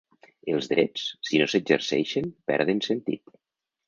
Els drets, si no s'exerceixen, perden sentit.